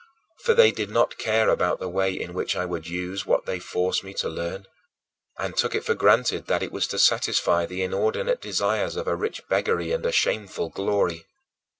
For they did not care about the way in which I would use what they forced me to learn, and took it for granted that it was to satisfy the inordinate desires of a rich beggary and a shameful glory.